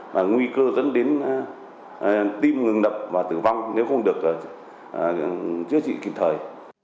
và nguy cơ dẫn đến tim ngừng đập và tử vong nếu không được chữa trị kịp thời